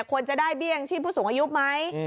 ควรจะได้เบี้ยยังชีพผู้สูงอายุไหม